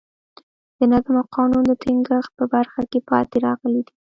د نظم او قانون د ټینګښت په برخه کې پاتې راغلي دي.